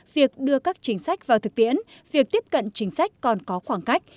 việc đưa các chính sách vào thực tiễn việc tiếp cận chính sách còn có khoảng cách